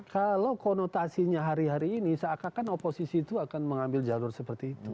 kalau konotasinya hari hari ini seakan akan oposisi itu akan mengambil jalur seperti itu